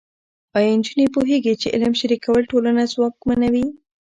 ایا نجونې پوهېږي چې علم شریکول ټولنه ځواکمنوي؟